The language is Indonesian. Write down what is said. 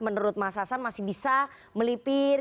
menurut mas hasan masih bisa melipir